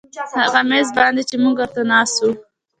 هغه میز باندې چې موږ ورته ناست وو